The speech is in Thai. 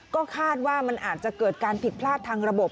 ก็คาดว่ามันอาจจะเกิดการผิดพลาดทางระบบ